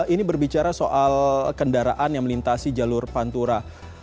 ini berbicara soal kendaraan yang melintasi jalur pantura